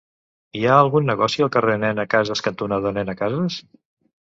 Hi ha algun negoci al carrer Nena Casas cantonada Nena Casas?